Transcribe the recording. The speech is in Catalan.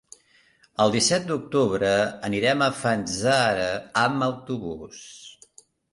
El disset d'octubre anirem a Fanzara amb autobús.